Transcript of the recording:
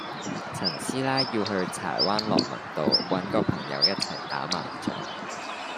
陳師奶要去柴灣樂民道搵個朋友一齊打麻雀